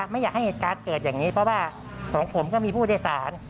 ไม่อยากให้เหตุการณ์เกิดอย่างนี้เพราะว่าของผมก็มีผู้โดยสาร